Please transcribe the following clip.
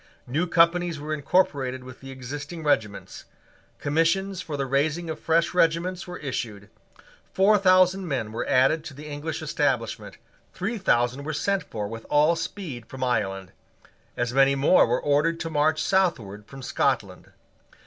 New companies were incorporated with the existing regiments. Commissions for the raising of fresh regiments were issued. Four thousand men were added to the English establishment. Three thousand were sent for with all speed from Ireland. As many more were ordered to march southward from Scotland.